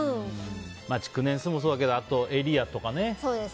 築年数もそうだけどあとはエリアとか。